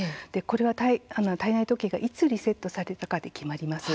これは体内時計がいつリセットされたかで決まります。